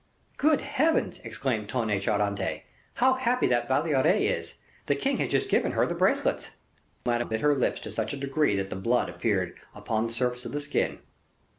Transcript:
"Good heavens!" explained Tonnay Charente, "how happy that La Valliere is! the king has just given her the bracelets." Madame bit her lips to such a degree that the blood appeared upon the surface of the skin.